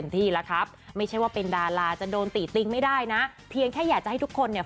แต่จริงไม่ได้นะเพียงแค่อยากให้ทุกคนเนี่ย